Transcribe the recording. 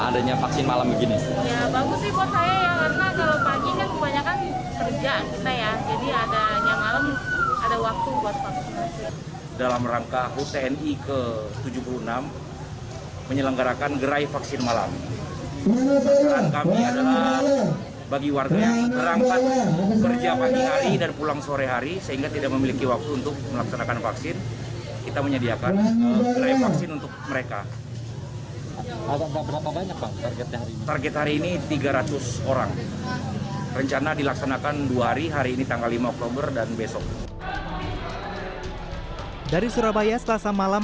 dari surabaya selasa malam